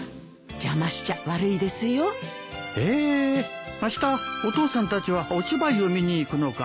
邪魔しちゃ悪いですよ。へえーあしたお父さんたちはお芝居を見に行くのか。